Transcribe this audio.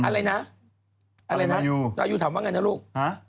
อะไรนะอะไรนะยูถามว่าไงนะลูก